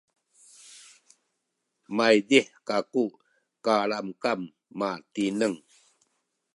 maydih kaku kalamkam matineng